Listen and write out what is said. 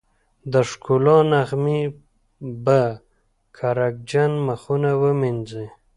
د ښکلا نغمې به کرکجن مخونه ومينځي